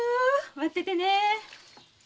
待っててね。